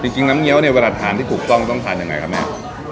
จริงน้ำเงี้ยวเนี่ยเวลาทานที่ถูกต้องต้องทานยังไงครับแม่